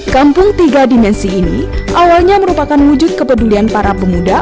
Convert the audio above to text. kampung tiga dimensi ini awalnya merupakan wujud kepedulian para pemuda